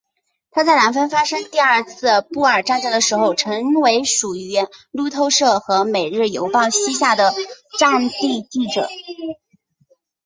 他在南非发生第二次布尔战争的时候成为属于路透社和每日邮报膝下的战地记者。